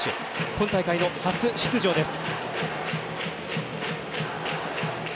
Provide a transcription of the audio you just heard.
今大会の初出場です。